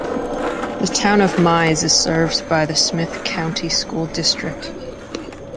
The Town of Mize is served by the Smith County School District.